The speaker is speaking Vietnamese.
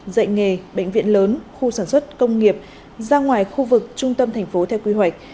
dạy nghề bệnh viện lớn khu sản xuất công nghiệp ra ngoài khu vực trung tâm thành phố theo quy hoạch